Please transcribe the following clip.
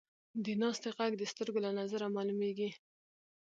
د ناستې ږغ د سترګو له نظره معلومېږي.